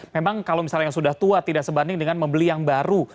memang kalau misalnya yang sudah tua tidak sebanding dengan membeli yang baru